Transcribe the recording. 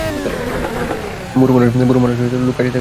বুড়োমানুষ, লোক কাছে থাকিলেই কেবল বকিতে ইচ্ছা করে।